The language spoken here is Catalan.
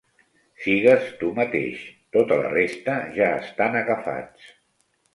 Sigues tu mateix; tota la resta ja estan agafats.